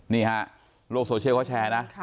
นี่ฮะโลกโซเชียลเขาแชร์นะ